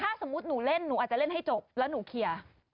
พี่จะคัดทำไมทำอย่างนี้